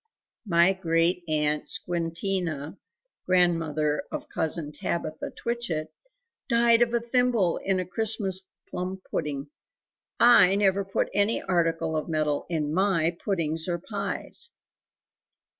"My Great aunt Squintina (grandmother of Cousin Tabitha Twitchit) died of a thimble in a Christmas plum pudding. I never put any article of metal in MY puddings or pies."